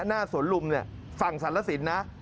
หน้าสวนลุมฝั่งสรรสินนะ